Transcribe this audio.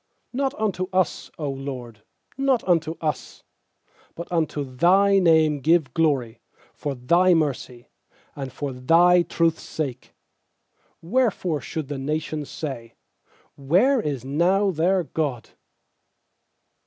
1 1 K Not unto us, 0 LORD, not unto J Lt ' us, But unto Thy name give glory, For Thy mercy, and for Thy truth's 859 115.2 PSALMS Wherefore should the nations say 'Where is now their God?'